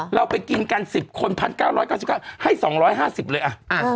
เราไปกินกัน๑๐คน๑๙๙๙ให้๒๕๐เลยอ่ะ